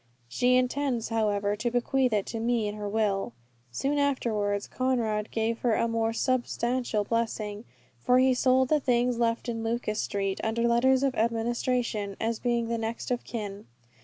She intends, however, to bequeath it to me in her will. Soon afterwards Conrad gave her a more substantial blessing; for he sold the things left in Lucas Street, under letters of administration, as being the next of kin.